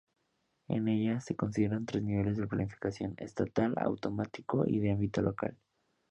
En ella, se consideran tres niveles de planificación: estatal, autonómico y de ámbito local.